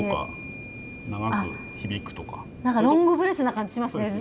何かロングブレスな感じしますね。